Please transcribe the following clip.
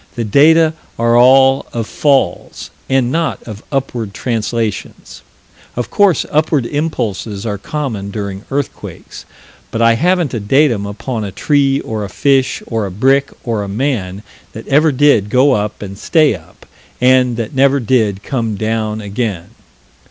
The data are all of falls and not of upward translations. Of course upward impulses are common during earthquakes, but I haven't a datum upon a tree or a fish or a brick or a man that ever did go up and stay up and that never did come down again.